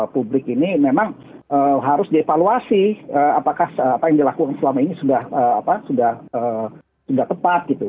publik ini memang harus dievaluasi apakah apa yang dilakukan selama ini sudah tepat gitu